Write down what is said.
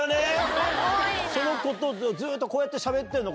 その子とずっとこうやってしゃべってんの？